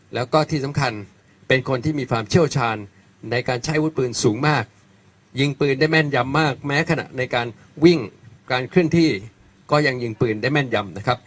แล้วก็ที่สำคัญเป็นคนที่มีความเชี่ยวชาญในการใช้อาวุธปืนสูงมากยิงปืนได้แม่นยำมากแม้ขณะในการวิ่งการเคลื่อนที่ก็ยังยิงปืนได้แม่นยำนะครับ